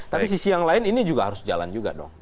tapi sisi yang lain ini juga harus jalan juga dong